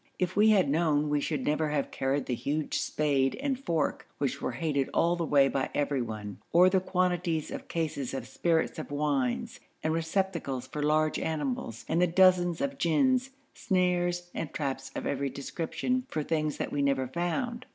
If we had known we should never have carried the huge spade and fork, which were hated all the way by everyone, or the quantities of cases of spirits of wine and receptacles for large animals, and the dozens of gins, snares, and traps of every description for things that we never found.